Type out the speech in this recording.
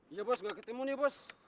iya bos gak ketemu nih bos